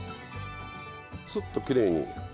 スッときれいに。